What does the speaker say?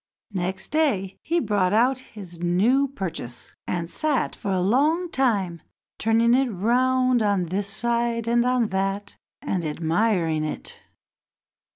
Next day he brought out his new purchase, and sat for a long time turning it round on this side and on that, and admiring it.